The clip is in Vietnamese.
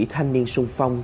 thanh niên sung phong